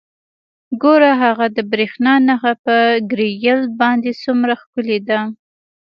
ګوره هغه د بریښنا نښه په ګریل باندې څومره ښکلې ده